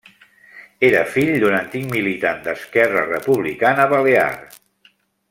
Era fill d'un antic militant d'Esquerra Republicana Balear.